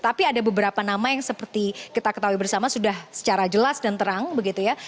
tapi ada beberapa nama yang seperti kita ketahui bersama sudah secara jelas dan terang begitu ya